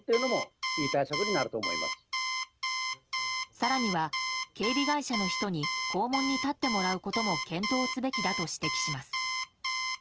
更には、警備会社の人に校門に立ってもらうことも検討すべきだと指摘します。